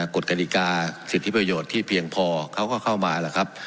กฎกฎิกาสิทธิประโยชน์ที่เพียงพอเขาก็เข้ามาล่ะครับ